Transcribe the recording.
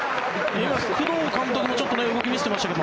今、工藤監督もちょっと動きを見せてましたけど。